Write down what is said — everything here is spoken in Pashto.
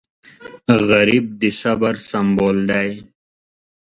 غریب د صبر سمبول دی